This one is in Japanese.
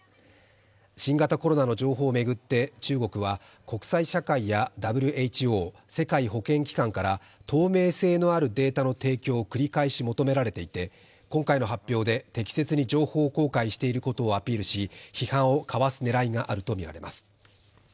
新型コロナの情報を巡って中国は国際社会やＷＨＯ＝世界保健機関から透明性のあるデータの提供を繰り返し求められていて、今回の発表で適切に情報公開していることをアピールし、批判をかわす狙いがあるとみられます。